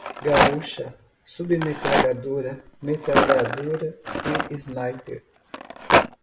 Ele atirava com um fuzil, rifle, carabina, garrucha, submetralhadora, metralhadora e sniper